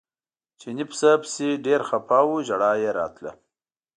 چیني پسه پسې ډېر خپه و ژړا یې راتله.